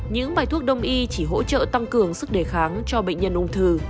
những bài thuốc đông y chỉ hỗ trợ tăng cường sức đề kháng cho bệnh nhân ung thư